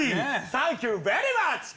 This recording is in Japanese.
サンキューベリーマッチ！